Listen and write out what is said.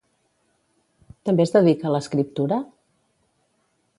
També es dedica a l'escriptura?